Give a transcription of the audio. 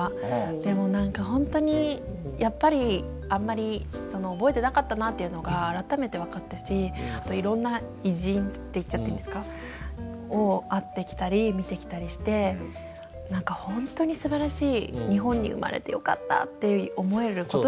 でも何かほんとにやっぱりあんまり覚えてなかったなっていうのが改めて分かったしあといろんな偉人って言っちゃっていいんですか？を会ってきたり見てきたりして何かほんとにすばらしいあよかった。